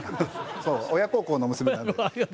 親孝行の娘なんで。